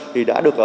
thì đã được